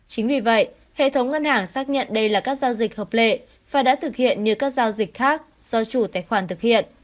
chính vì vậy hệ thống ngân hàng xác nhận đây là các giao dịch hợp lệ và đã thực hiện như các giao dịch khác do chủ tài khoản thực hiện